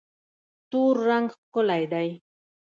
تور رنګ ښکلی دی.